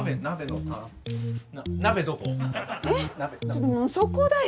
ちょっともうそこだよ！